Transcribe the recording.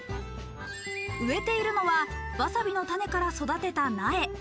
植えているのはわさびの種から育てた苗。